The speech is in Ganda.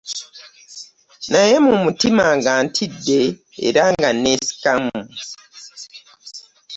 Naye mu mutima nga ntidde era nga nesikamu .